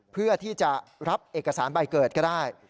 เพื่อที่จะรับเอกสารใบเกิดก็ได้